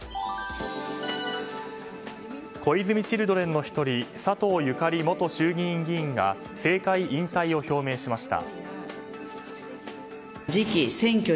小泉チルドレンの１人佐藤ゆかり元衆議院議員が政界引退を表明しました。